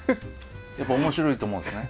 やっぱ面白いと思うんですね。